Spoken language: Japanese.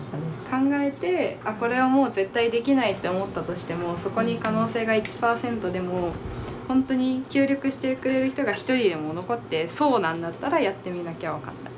考えてこれはもう絶対できないって思ったとしてもそこに可能性が１パーセントでもホントに協力してくれる人が一人でも残ってそうなんだったらやってみなきゃ分かんない。